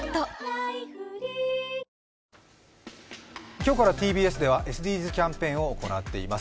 今日からＴＢＳではＳＤＧｓキャンペーンを行っています。